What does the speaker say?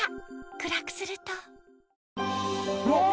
暗くするとうわ！